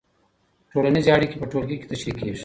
ټولنیزې اړیکې په ټولګي کې تشریح کېږي.